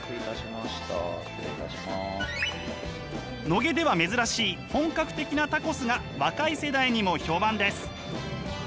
野毛では珍しい本格的なタコスが若い世代にも評判です。